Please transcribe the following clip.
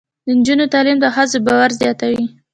د نجونو تعلیم د ښځو باور زیاتوي.